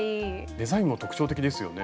デザインも特徴的ですよね。